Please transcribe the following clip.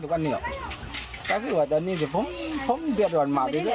แต่ก็คือว่าตอนนี้ผมต์เตียบกับมันคือว่า